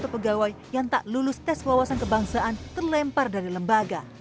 satu pegawai yang tak lulus tes wawasan kebangsaan terlempar dari lembaga